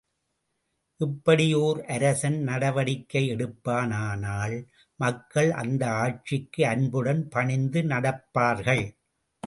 இப்படி ஓர் அரசன் நடவடிக்கை எடுப்பானானால், மக்கள் அந்த ஆட்சிக்கு அன்புடன் பணிந்து நடப்பார்கள்.